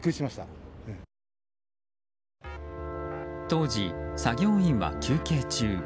当時、作業員は休憩中。